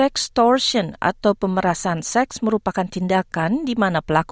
kita memiliki banyak masalah